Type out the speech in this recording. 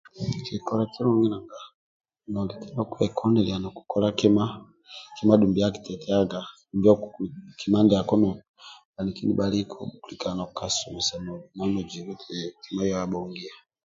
Kikole kimui nanga kwekoniliq nokukola kima kima dumbi akitetiaga dumbi kima ndiako bhaniki nibhaliku okulika nokasu eti kima ndiako abhongia